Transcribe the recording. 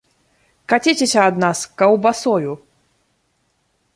Каціцеся ад нас каўбасою!